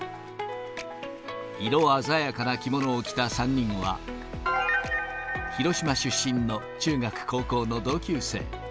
色鮮やかな着物を着た３人は、広島出身の中学・高校の同級生。